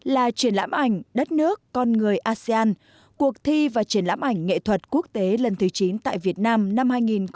là triển lãm ảnh đất nước con người asean cuộc thi và triển lãm ảnh nghệ thuật quốc tế lần thứ chín tại việt nam năm hai nghìn một mươi chín